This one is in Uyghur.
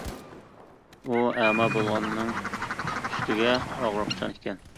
ئۇ ئەما بولغاننىڭ ئۈستىگە ئاغرىقچان ئىكەن.